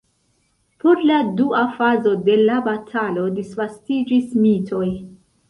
Por la dua fazo de la batalo disvastiĝis mitoj.